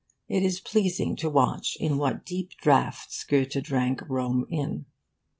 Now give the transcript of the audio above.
It is pleasing to watch in what deep draughts Goethe drank Rome in.